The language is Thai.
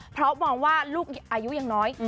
เพราะมองว่าลูกอายุยังน้อย